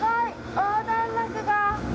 横断幕が。